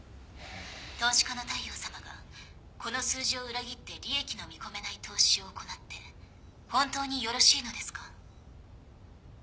投資家の大陽さまがこの数字を裏切って利益の見込めない投資を行って本当によろしいのですか？